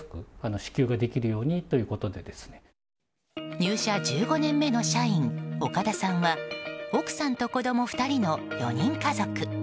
入社１５年目の社員岡田さんは奥さんと子供２人の４人家族。